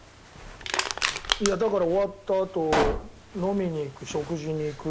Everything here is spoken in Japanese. だから終わったあと飲みに行く、食事に行く。